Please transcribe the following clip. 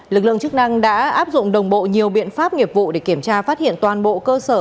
lực lượng chức năng đã áp dụng đồng bộ nhiều biện pháp nghiệp vụ để kiểm tra phát hiện toàn bộ cơ sở